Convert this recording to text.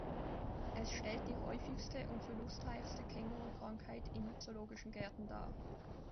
Es stellt die häufigste und verlustreichste Känguru-Krankheit in zoologischen Gärten dar.